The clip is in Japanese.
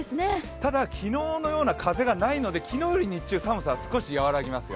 ただ昨日のような風がないので昨日より日中寒さは少し和らぎますよ。